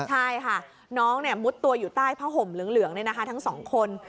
ใช่ค่ะน้องมุดตัวอยู่ใต้ผ้าห่มเหลืองทั้งสองคน